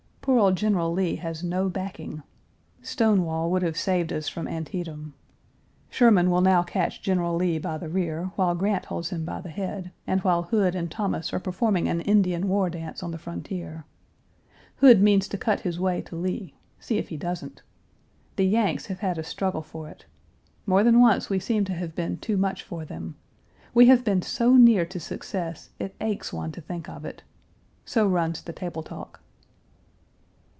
Poor old General Lee has no backing. Stonewall would have saved us from Antietam. Sherman will now catch General Lee by the rear, while Grant holds him by the head, and while Hood and Thomas are performing an Indian war dance on the frontier. Hood means to cut his way to Lee; see if he doesn't The "Yanks" have had a struggle for it. More than once we seemed to have been too much for them. We have been so near to success it aches one to think of it. So runs the table talk.